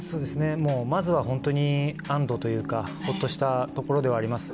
まずは本当に、安どというか、ホッとしたところではあります。